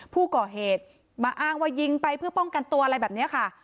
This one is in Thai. ผู้ก่อเหตุมาอ้างว่ายิงไปเพื่อป้องกันตัวอะไรแบบนี้ค่ะ